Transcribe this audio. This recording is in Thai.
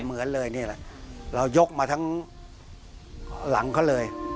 เหมือนเลยนี่แหละเรายกมาทั้งหลังเขาเลย